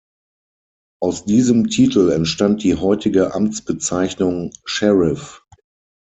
Aus diesem Titel entstand die heutige Amtsbezeichnung "Sheriff".